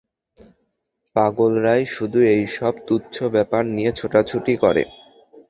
পাগলরাই শুধু এইসব তুচ্ছ ব্যাপার নিয়ে ছোটাছুটি করে।